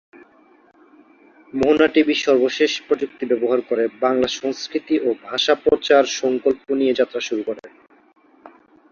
মোহনা TV সর্বশেষ প্রযুক্তি ব্যবহার করে বাংলা সংস্কৃতি ও ভাষা প্রচার সংকল্প নিয়ে যাত্রা শুরু করে।